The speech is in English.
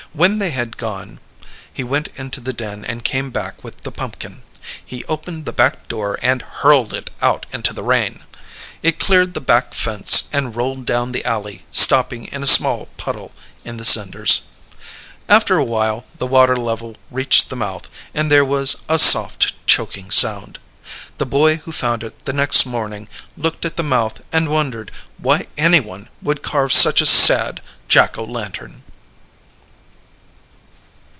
When they had gone he went into the den and came back with the pumpkin. He opened the back door and hurled it out into the rain. It cleared the back fence and rolled down the alley stopping in a small puddle in the cinders. After a while the water level reached the mouth and there was a soft choking sound. The boy who found it the next morning looked at the mouth and wondered why anyone would carve such a sad Jack O' Lantern.